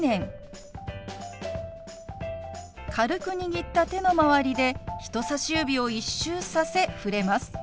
軽く握った手の周りで人さし指を一周させ触れます。